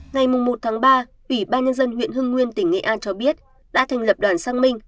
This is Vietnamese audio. ngày một ba ủy ban nhân dân huyện hưng nguyên tỉnh nghệ an cho biết đã thành lập đoàn sang minh